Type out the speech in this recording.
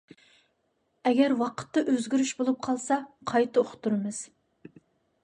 ئەگەر ۋاقىتتا ئۆزگىرىش بولۇپ قالسا قايتا ئۇقتۇرىمىز.